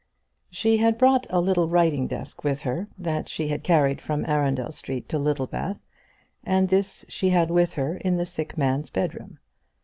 She had brought a little writing desk with her that she had carried from Arundel Street to Littlebath, and this she had with her in the sick man's bedroom.